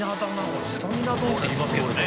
これスタミナ丼って言いますけどね。